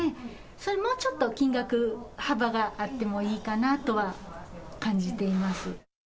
それ、もうちょっと金額、幅があってもいいかなとは感じています。